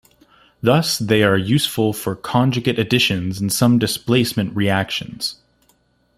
Thus they are useful for conjugate additions and some displacement reactions.